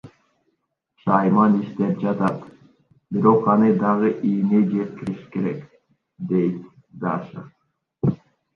Шайман иштеп жатат, бирок аны дагы ийине жеткириш керек, дейт Даша.